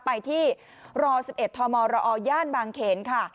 ไปที่ร๑๑ธมรอย่านบางเขนค่ะ